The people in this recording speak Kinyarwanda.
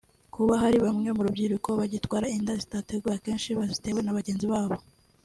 Kuba hari bamwe mu rubyiruko bagitwara inda zitateguwe akenshi bazitewe na bagenzi babo